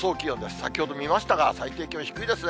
先ほど見ましたが、最低気温低いですね。